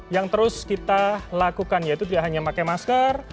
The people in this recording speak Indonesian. yang terus kita lakukan yaitu tidak hanya pakai masker